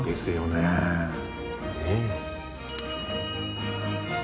ねえ。